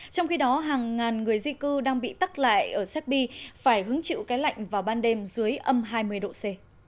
trong khi đó hàng ngàn người di cư đang bị tắc lại ở serbi phải hứng chịu cái lạnh vào ban đêm dưới âm hai mươi độ c